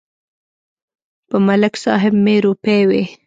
په ملک صاحب مې روپۍ وې.